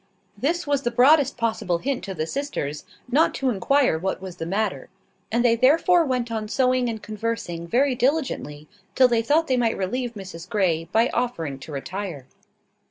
This was the broadest possible hint to the sisters not to inquire what was the matter; and they therefore went on sewing and conversing very diligently till they thought they might relieve Mrs Grey by offering to retire.